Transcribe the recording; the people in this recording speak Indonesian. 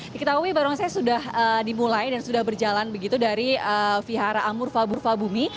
diketahui barongsai sudah dimulai dan sudah berjalan begitu dari vihara amur fah burfah bumi